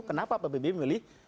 kenapa pbb memilih satu